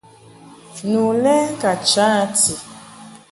Nu lɛ ka cha a ti.